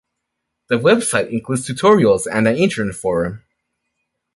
The web site includes tutorials and an internet forum.